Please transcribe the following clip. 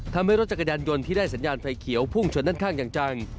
ทำให้รถจักรยานยนต์ที่ได้สัญญาณไฟเขียวพุ่งชนด้านข้างอย่างจัง